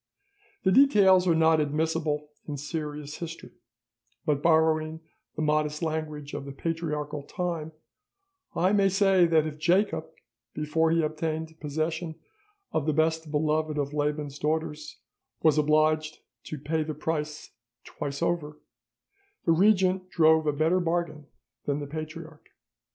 The details are not admissible in serious history, but, borrowing the modest language of the patriarchal time, I may say that if Jacob, before he obtained possession of the best beloved of Laban's daughters, was obliged to pay the price twice over, the regent drove a better bargain than the patriarch.